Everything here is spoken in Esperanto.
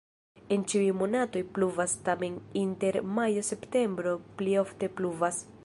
En ĉiuj monatoj pluvas, tamen inter majo-septempbro pli ofte pluvas.